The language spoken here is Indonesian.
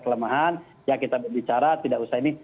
kelemahan ya kita berbicara tidak usah ini